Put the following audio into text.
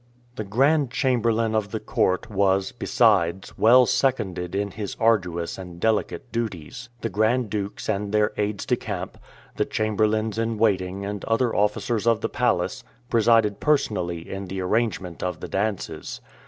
The grand chamberlain of the court, was, besides, well seconded in his arduous and delicate duties. The grand dukes and their aides de camp, the chamberlains in waiting and other officers of the palace, presided personally in the arrangement of the dances.